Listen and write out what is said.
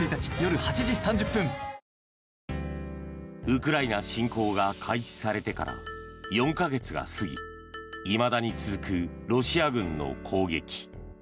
ウクライナ侵攻が開始されてから４か月が過ぎいまだに続くロシア軍の攻撃。